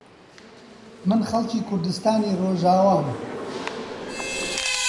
من خەڵکی کوردستانی ڕۆژئاوام